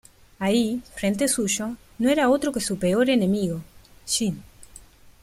Ahí, frente suyo, no era otro que su peor enemigo, Jin.